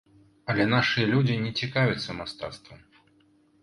Але нашыя людзі не цікавяцца мастацтвам.